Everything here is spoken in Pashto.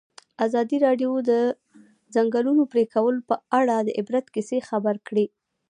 ازادي راډیو د د ځنګلونو پرېکول په اړه د عبرت کیسې خبر کړي.